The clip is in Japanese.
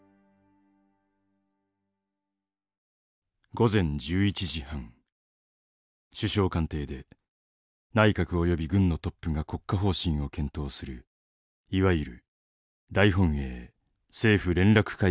午前１１時半首相官邸で内閣および軍のトップが国家方針を検討するいわゆる大本営政府連絡会議が始まった。